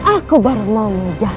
aku baru mau mengejar